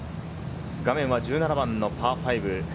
画面は１７番のパー５。